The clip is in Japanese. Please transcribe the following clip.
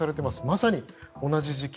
まさに同じ時期。